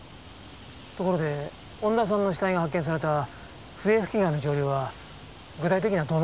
ところで恩田さんの死体が発見された笛吹川の上流は具体的にはどの辺りでしょうか？